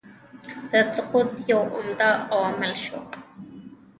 د سقوط یو عمده عامل شو.